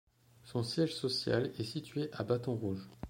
Son siège social est situé à Baton Rouge.